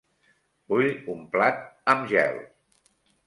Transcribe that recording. Vull un plat amb gel.